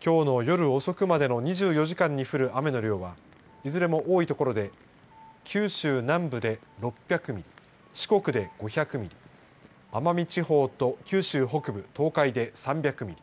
きょうの夜遅くまでの２４時間に降る雨の量はいずれも多い所で九州南部で６００ミリ四国で５００ミリ奄美地方と九州北部東海で３００ミリ